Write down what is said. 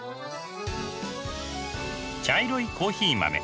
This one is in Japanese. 茶色いコーヒー豆。